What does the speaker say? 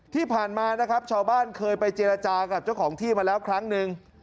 ที่ผ่านมานะครับชาวบ้านเคยไปเจรจากับเจ้าของที่มาแล้วครั้งหนึ่ง